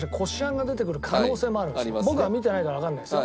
僕は見てないからわからないですよ。